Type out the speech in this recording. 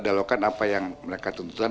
dalaukan apa yang mereka tuntutan